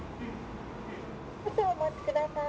「少々お待ちください」